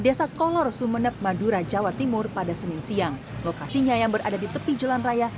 desa kolor sumeneb madura jawa timur pada senin siang lokasinya yang berada di tepi jalan raya